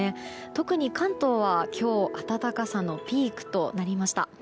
特に関東は今日暖かさのピークとなりました。